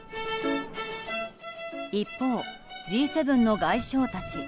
一方、Ｇ７の外相たち。